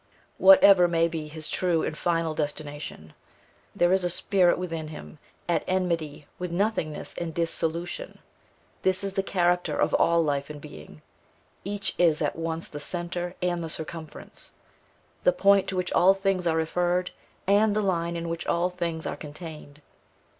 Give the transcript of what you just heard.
Whatever may be his true and final destination, there is a spirit within him at enmity with nothingness and dissolution. This is the character of all life and being. Each is at once the centre and the circumference; the point to which all things are referred, and the line in which all things are contained.